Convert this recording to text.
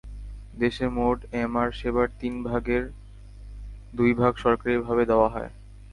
দেশের মোট এমআর সেবার তিন ভাগের দুই ভাগ সরকারিভাবে দেওয়া হয়।